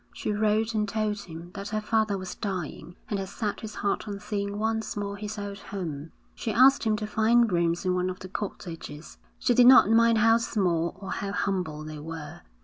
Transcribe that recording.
She wrote and told him that her father was dying and had set his heart on seeing once more his old home. She asked him to find rooms in one of the cottages. She did not mind how small nor how humble they were.